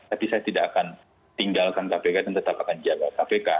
tapi saya tidak akan tinggalkan kpk dan tetap akan jaga kpk